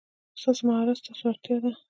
ستاسو مهارت ستاسو وړتیا ده.